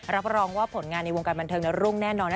รับรองว่าผลงานในวงการบันเทิงรุ่งแน่นอนนะ